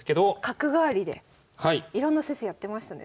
角換わりでいろんな先生やってましたね